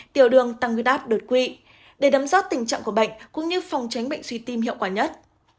tiểu đường tăng quy đáp đột quỵ để đấm rót tình trạng của bệnh cũng như phòng tránh bệnh suy tìm hiệu quả nhất